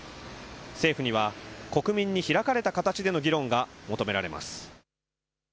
政府には国民に開かれた形での議論が求められます。